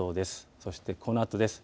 そしてこのあとです。